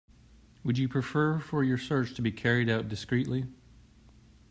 We would prefer for your search to be carried out discreetly.